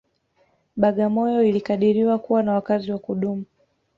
Bagamoyo ilikadiriwa kuwa na wakazi wa kudumu